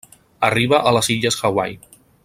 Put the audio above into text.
Arriba a les illes Hawaii.